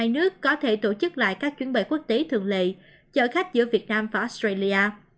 hai nước có thể tổ chức lại các chuyến bay quốc tế thường lệ chở khách giữa việt nam và australia